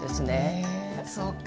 へえそうか。